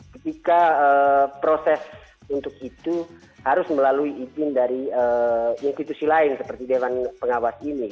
ketika proses untuk itu harus melalui izin dari institusi lain seperti dewan pengawas ini